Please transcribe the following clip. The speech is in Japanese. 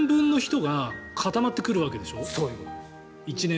５年分の人が固まってくるわけでしょ。